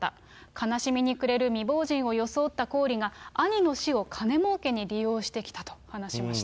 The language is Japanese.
悲しみに暮れる未亡人を装ったコーリが、兄の死を金もうけに利用してきたと話しました。